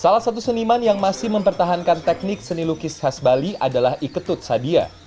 salah satu seniman yang masih mempertahankan teknik seni lukis khas bali adalah iketut sadia